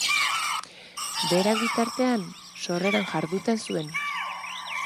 Berak, bitartean, sorreran jarduten zuen.